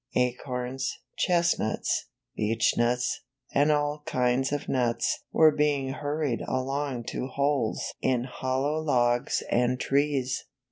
^' Acorns, chestnuts, beechnuts, and all kinds of nuts were being hurried along to holes in hollow logs and trees.